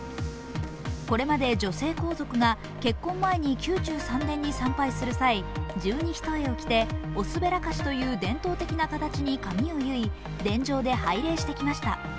これまで女性皇族が結婚前に宮中三殿に参拝する場合には十二単を着ておすべらかしという伝統的な形に髪を結い、殿上で拝礼してきました。